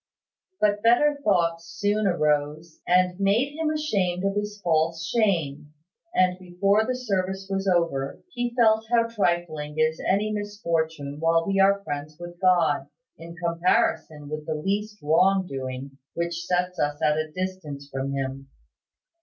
But better thoughts soon arose, and made him ashamed of his false shame; and before the service was over, he felt how trifling is any misfortune while we are friends with God, in comparison with the least wrong doing which sets us at a distance from him.